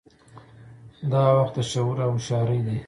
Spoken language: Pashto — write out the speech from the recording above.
دا وخت د شعور او هوښیارۍ دی.